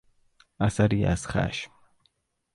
اثری از خشم